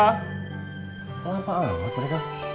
kenapa anggap mereka